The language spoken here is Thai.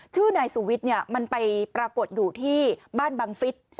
ชื่อนายสุวิทย์มันไปปรากฏอยู่ที่บ้านบังฟิศ